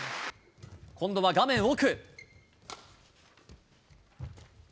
今度は画面奥。